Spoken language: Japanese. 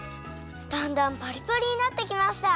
だんだんパリパリになってきました！